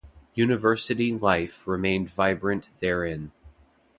University life remained vibrant therein.